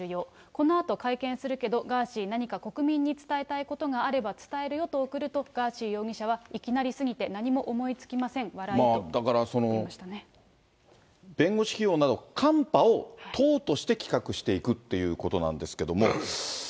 このあと会見するけど、ガーシー、何か国民に伝えたいことがあれば伝えるよと、送ると、ガーシー容疑者は、いきなりすぎて何も思いつきません、だから、弁護士費用などカンパを党として企画していくっていうことなんですけども。